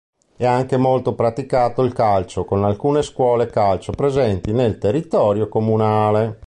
È anche molto praticato il calcio con alcune scuole calcio presenti nel territorio comunale.